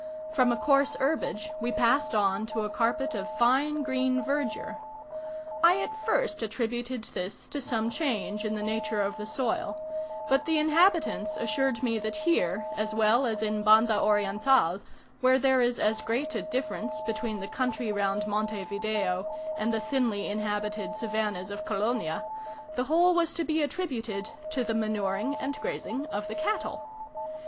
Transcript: From a coarse herbage we passed on to a carpet of fine green verdure. I at first attributed this to some change in the nature of the soil, but the inhabitants assured me that here, as well as in Banda Oriental, where there is as great a difference between the country round Monte Video and the thinly inhabited savannahs of Colonia, the whole was to be attributed to the manuring and grazing of the cattle.